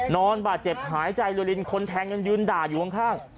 นอนบาดเจ็บหายใจรวยลินคนแทงยังยืนด่าอยู่ข้าง